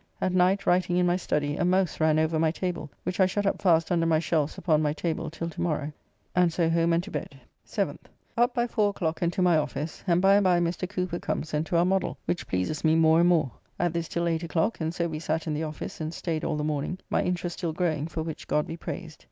At night writing in my study a mouse ran over my table, which I shut up fast under my shelf's upon my table till to morrow, and so home and to bed. 7th. Up by four o'clock and to my office, and by and by Mr. Cooper comes and to our modell, which pleases me more and more. At this till 8 o'clock, and so we sat in the office and staid all the morning, my interest still growing, for which God be praised.